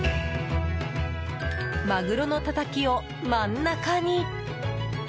マグロのたたきを真ん中に。